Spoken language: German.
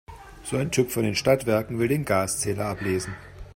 So ein Typ von den Stadtwerken will den Gaszähler ablesen.